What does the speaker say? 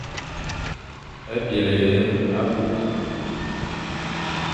Byelé abukh.